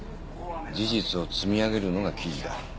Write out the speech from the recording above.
事実を積み上げるのが記事だ。